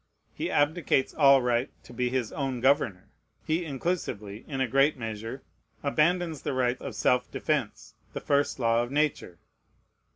He abdicates all right to be his own governor. He inclusively, in a great measure, abandons the right of self defence, the first law of Nature.